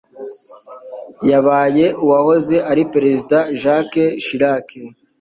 Yabaye uwahoze ari perezida Jacques Chirac